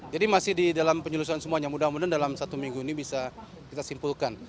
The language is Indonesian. masih di dalam penyelusuan semuanya mudah mudahan dalam satu minggu ini bisa kita simpulkan